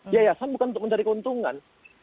yayasan bukan untuk mencari keuntungan